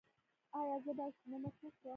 ایا زه باید شنه مرچ وخورم؟